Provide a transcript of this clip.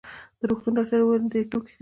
د روغتون ډاکټر وویل: دی ټوکې کوي.